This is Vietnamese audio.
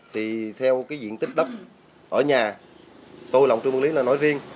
thì theo cái diện tích đất ở nhà tôi lòng trung lý là nói riêng